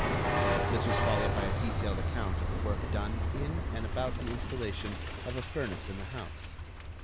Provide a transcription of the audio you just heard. This was followed by a detailed account of the work done in and about the installation of a furnace in the house.